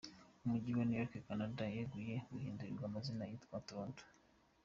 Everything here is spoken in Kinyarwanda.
Umujyi wari York wa Canada ya ruguru, wahinduriwe amazina witwa Toronto.